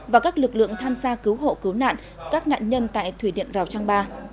và các lực lượng tham gia cứu hộ cứu nạn các nạn nhân tại thủy điện rào trang ba